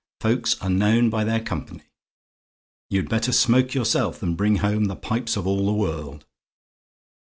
Folks are known by their company. You'd better smoke yourself, than bring home the pipes of all the world.